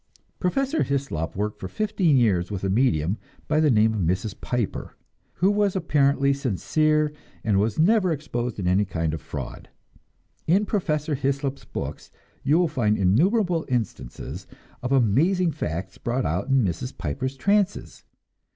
Professor Hyslop worked for fifteen years with a medium by the name of Mrs. Piper, who was apparently sincere and was never exposed in any kind of fraud. In Professor Hyslop's books you will find innumerable instances of amazing facts brought out in Mrs. Piper's trances.